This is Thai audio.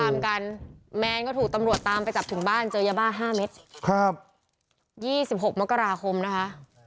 แมนก็ถูกตำรวจตามไปจับถึงบ้านเจยะบ้าห้าเม็ดครับยี่สิบหกมักราคมนะคะ